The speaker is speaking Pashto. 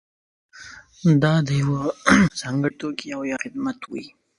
دا د یوه ځانګړي توکي او یا خدمت وي.